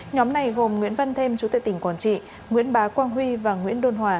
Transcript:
nhóm này gồm nguyễn văn thêm chú tệ tỉnh quảng trị nguyễn bá quang huy và nguyễn đôn hòa